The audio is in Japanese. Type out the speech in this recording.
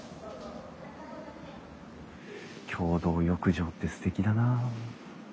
共同浴場ってすてきだなあ。